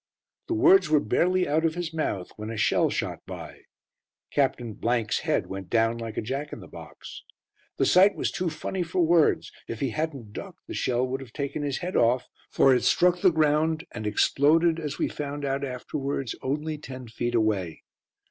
The words were barely out of his mouth when a shell shot by. Captain 's head went down like a jack in the box. The sight was too funny for words. If he hadn't ducked the shell would have taken his head off, for it struck the ground and exploded, as we found out afterwards, only ten feet away.